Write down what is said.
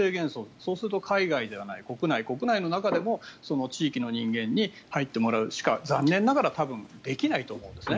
そうすると海外ではない国内の中でも地域の人間に入ってもらうしか残念ながら多分できないと思うんですね。